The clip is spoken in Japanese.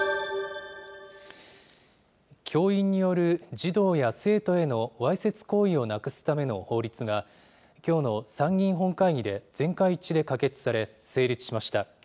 教員による児童や生徒へのわいせつ行為をなくすための法律が、きょうの参議院本会議で、全会一致で可決され、成立しました。